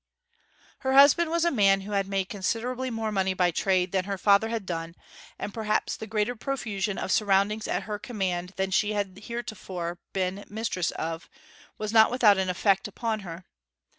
Her husband was a man who had made considerably more money by trade than her father had done: and perhaps the greater profusion of surroundings at her command than she had heretofore been mistress of, was not without an effect upon her.